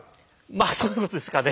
まあそういうことですかね。